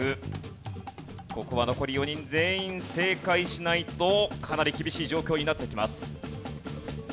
ここは残り４人全員正解しないとかなり厳しい状況になってきます。